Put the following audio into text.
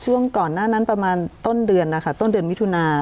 ช่วงก่อนหน้านั้นประมาณต้นเดือนนะคะต้นเดือนมิถุนา